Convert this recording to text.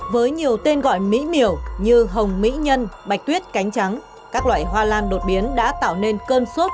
với nhiều tên gọi mỹ miểu như hồng mỹ nhân bạch tuyết cánh trắng các loại hoa lan đột biến đã tạo nên cơn suốt